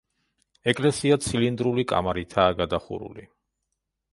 ეკლესია ცილინდრული კამარითაა გადახურული.